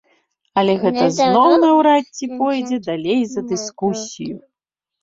Але гэта зноў наўрад ці пойдзе далей за дыскусію.